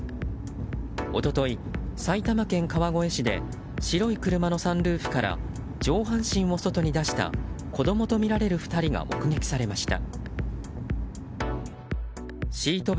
一昨日、埼玉県川越市で白い車のサンルーフから上半身を外に出した子供とみられる２人が目撃されました。